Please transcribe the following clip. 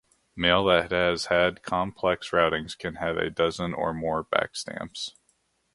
Mail that has had complex routings can have a dozen or more backstamps.